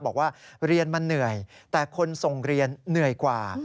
บอกว่าเรียนมันเหนื่อยแต่คนส่งเรียนเหนื่อยกว่า